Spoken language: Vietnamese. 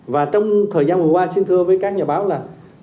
và trong thời gian vừa qua xin thưa với các nhà báo là